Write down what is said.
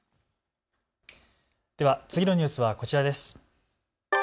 では次のニュースはこちらです。